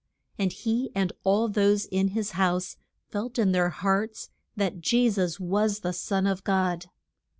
And he and all those in his house felt in their hearts that Je sus was the son of God.